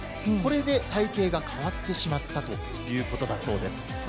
これで体形が変わってしまったということだそうです。